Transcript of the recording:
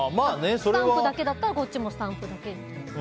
スタンプだけだったらこっちもスタンプだけ。